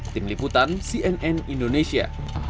tim liputan cnn indonesia